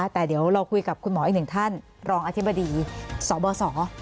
แต่เดี๋ยวเราคุยกับคุณหมออีกหนึ่งท่านรองอธิบดีสบส